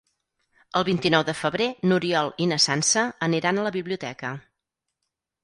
El vint-i-nou de febrer n'Oriol i na Sança aniran a la biblioteca.